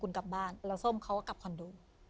คุณกลับบ้านแล้วส้มเขาก็กลับคอนโด